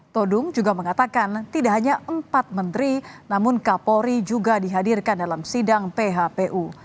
todung juga mengatakan tidak hanya empat menteri namun kapolri juga dihadirkan dalam sidang phpu